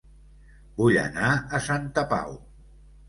Vull anar a Santa Pau